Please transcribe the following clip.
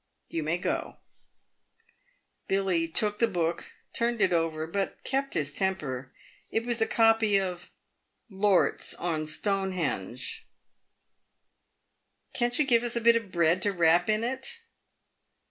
You may go." Billy took the book, turned it over, but kept his temper. It was a copy of " Lorts on Stonehenge." PAVED WITH GOLD. 288 " Can't you give us a bit of bread to wrap in it